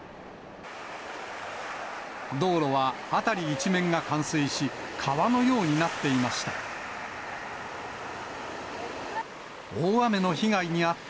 道路は辺り一面が冠水し、川のようになっていました。